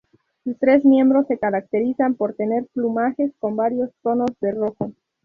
Sus tres miembros se caracterizan por tener plumajes con varios tonos de rojo.